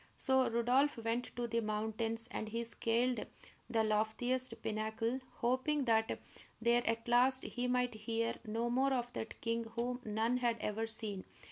So Rodolph went to the mountains, and he scaled the loftiest pinnacle, hoping that there at last he might hear no more of that king whom none had ever seen.